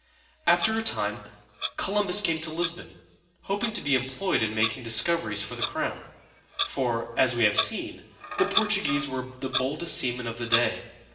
After a time Columbus came to Lis´bon, hoping to be employed in making discoveries for the crown; for, as we have seen, the Portuguese were the boldest seamen of the day.